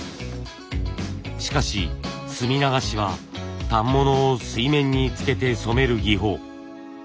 しかし墨流しは反物を水面につけて染める技法。